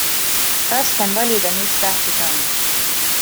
Raske on valida, mis tähtis on.